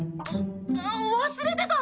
忘れてた！